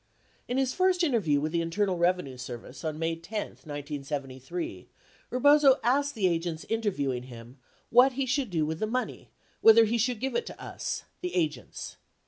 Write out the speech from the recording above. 33 In his first interview with the Internal Eevenue Service on May 10, 1973, Eebozo asked the agents interviewing him "what he should do with the money — whether he should give it to us [the agents]